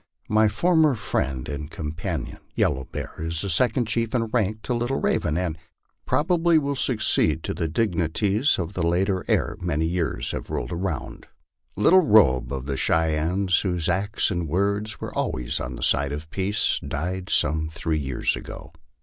My former friend and companion, Yellow Bear, is the second chief in rank to Little Raven, and probably will succeed to the dignities of the latter ere many years have rolled around. Little Robe, of the Cheyennes, whose acts and words were always on the side of peace, died some three years ago.